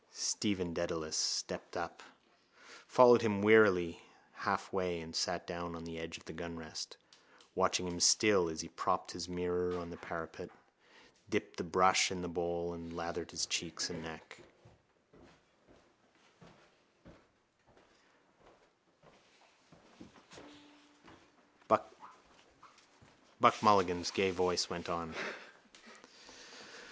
Stephen Dedalus stepped up, followed him wearily halfway and sat down on the edge of the gunrest, watching him still as he propped his mirror on the parapet, dipped the brush in the bowl and lathered cheeks and neck. Buck Mulligan's gay voice went on.